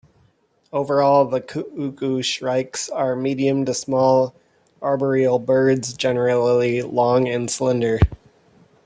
Overall the cuckooshrikes are medium to small arboreal birds, generally long and slender.